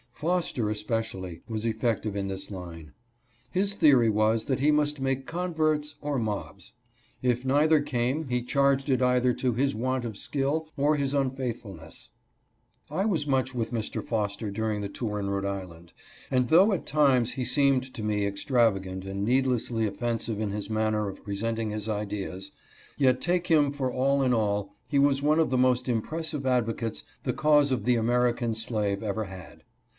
Foster, especially, was effective in this line. His theory was that he must make converts or mobs. If neither came he charged it either to his want of skill or his unfaithfulness. I was much with Mr. Foster dur ing the tour in Rhode Island, and though at times he seemed to me extravagant and needlessly offensive in his manner of presenting his ideas, yet take him for all in all, he was one of the most impressive advocates the cause of the American slave ever had.